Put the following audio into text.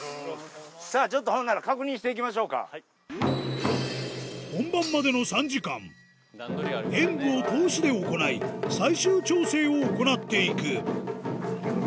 さあ、ちょっとほんなら確認本番までの３時間、演舞を通しで行い、最終調整を行っていく。